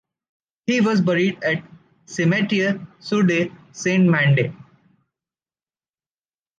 He was buried at Cimetière Sud de Saint-Mandé.